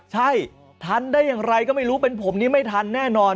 ใช่ทันได้อย่างไรก็ไม่รู้เป็นผมนี่ไม่ทันแน่นอน